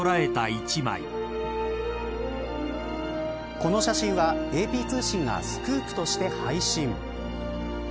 この写真は、ＡＰ通信がスクープとして配信。